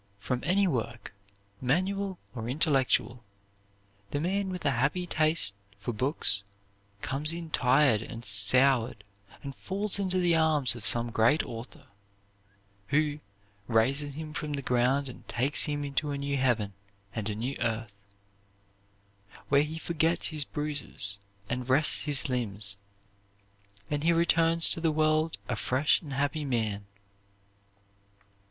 From any work, manual or intellectual, the man with a happy taste for books comes in tired and soured and falls into the arms of some great author, who raises him from the ground and takes him into a new heaven and a new earth, where he forgets his bruises and rests his limbs, and he returns to the world a fresh and happy man."